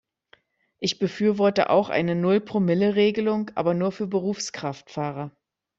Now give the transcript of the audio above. Ich befürworte auch eine Null-Promille-Regelung, aber nur für Berufskraftfahrer.